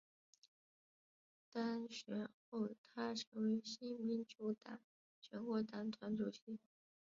当选后她成为新民主党全国党团主席。